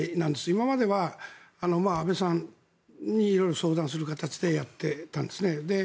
今までは安倍さんに色々相談する形でやってたんですね。